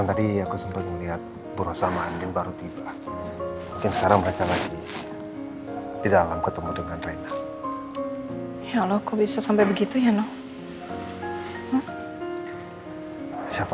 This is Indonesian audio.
raina sepertinya masih terlihat belum siap